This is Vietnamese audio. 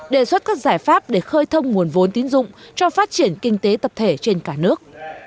đề xuất các giải pháp để khơi thông nguồn vốn tín dụng cho phát triển kinh tế tập thể trên cả nước